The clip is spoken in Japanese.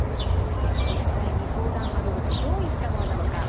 では実際に相談窓口どういったものなのか取材しました。